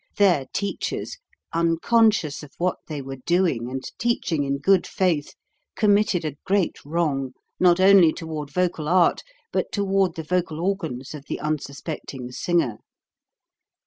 Their teachers, unconscious of what they were doing and teaching in good faith, committed a great wrong not only toward vocal art but toward the vocal organs of the unsuspecting singer.